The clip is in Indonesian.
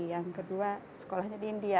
yang kedua sekolahnya di india